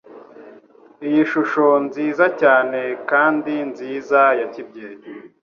iyi shusho nziza cyane kandi nziza ya kibyeyi